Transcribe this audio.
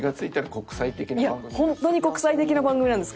本当に国際的な番組なんです